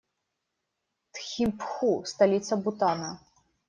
Тхимпху - столица Бутана.